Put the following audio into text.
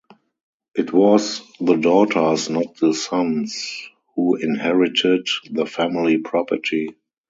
It was the daughters, not the sons, who inherited the family property.